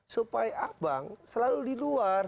supaya abang selalu di luar